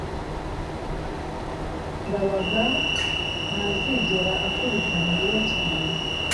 ndabaga ntazigera akubita mariya cyane